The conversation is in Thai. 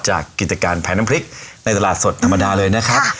กิจการแผนน้ำพริกในตลาดสดธรรมดาเลยนะครับ